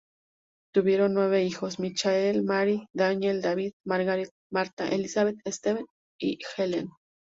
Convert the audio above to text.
Tuvieron nueve hijos; Michael, Mary, Daniel, David, Margaret, Martha, Elizabeth, Steven, y Helen.